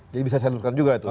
jadi bisa saya lakukan juga itu